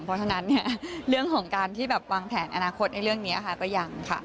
เพราะฉะนั้นเรื่องของการที่แบบวางแผนอนาคตในเรื่องนี้ค่ะก็ยังค่ะ